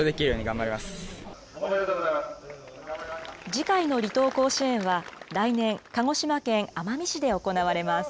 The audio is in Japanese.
次回の離島甲子園は、来年、鹿児島県奄美市で行われます。